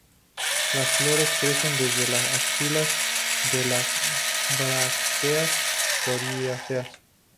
Las flores crecen desde las axilas de las brácteas coriáceas.